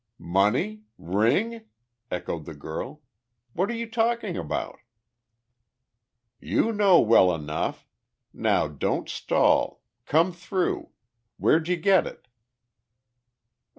"Money? Ring?" echoed the girl. "What are you talking about?" "You know well enough! Now don't stall. Come through! Where'd you get it?"